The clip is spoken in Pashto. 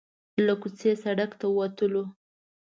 له کوڅې سړک ته وتلو.